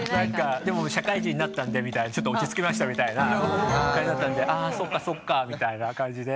社会人になったんでちょっと落ち着きましたみたいな感じだったんでそっかそっかみたいな感じで。